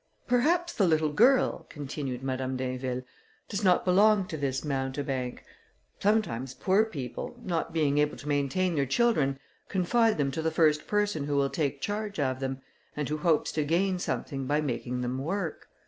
"Perhaps the little girl," continued Madame d'Inville, "does not belong to this mountebank. Sometimes poor people, not being able to maintain their children, confide them to the first person who will take charge of them, and who hopes to gain something by making them work.